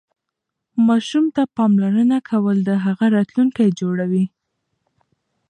ماشوم ته پاملرنه کول د هغه راتلونکی جوړوي.